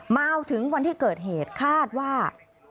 มาถึงวันที่เกิดเหตุคาดว่า